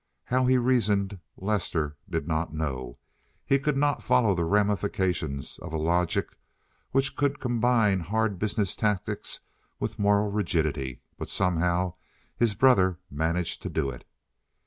How he reasoned Lester did not know—he could not follow the ramifications of a logic which could combine hard business tactics with moral rigidity, but somehow his brother managed to do it.